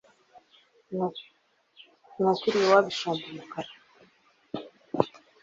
Inkoko iriwabo ishomba umukara